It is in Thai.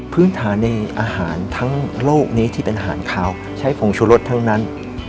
พื้นฐานในอาหารทั้งโลกนี้ที่เป็นอาหารขาวใช้ผงชูรสทั้งนั้น